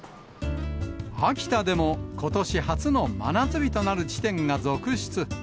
秋田でもことし初の真夏日となる地点が続出。